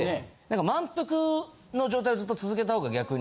満腹の状態をずっと続けた方が逆に。